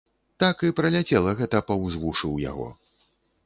Так і праляцела гэта паўз вушы ў яго.